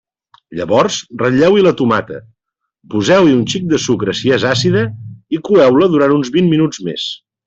Llavors ratlleu-hi la tomata, poseu-hi un xic de sucre si és àcida i coeu-la durant uns vint minuts més.